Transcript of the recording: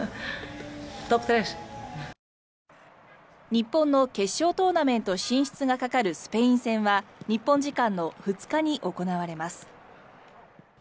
日本の決勝トーナメント進出がかかるスペイン戦は日本時間の２日に行われます。